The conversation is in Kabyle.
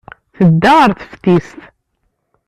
Tedda ɣer teftist.